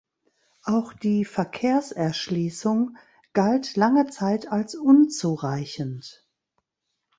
Auch die Verkehrserschließung galt lange Zeit als unzureichend.